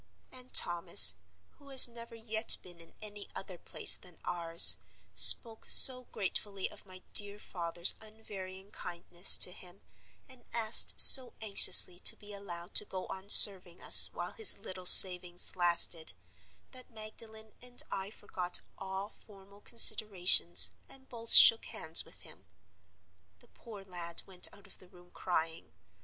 And Thomas (who has never yet been in any other place than ours) spoke so gratefully of my dear father's unvarying kindness to him, and asked so anxiously to be allowed to go on serving us while his little savings lasted, that Magdalen and I forgot all formal considerations and both shook hands with him. The poor lad went out of the room crying.